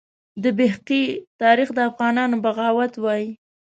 د بیهقي تاریخ د افغانانو بغاوت وایي.